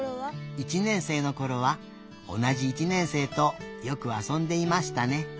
「１年生のころは同じ１年生とよく遊んでいましたね。